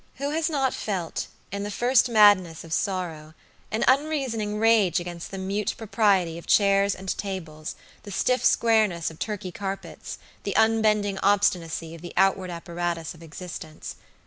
Who has not felt, in the first madness of sorrow, an unreasoning rage against the mute propriety of chairs and tables, the stiff squareness of Turkey carpets, the unbending obstinacy of the outward apparatus of existence?